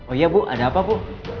oh iya bu ada apa bu